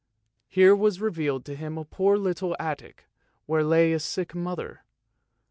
Here was revealed to him a poor little attic, where lay a sick mother.